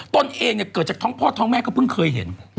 ตนเองเนี่ยเกิดจากท้องพ่อท้องแม่ก็เพิ่งเคยเห็น